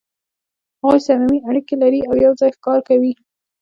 هغوی صمیمي اړیکې لري او یو ځای ښکار کوي.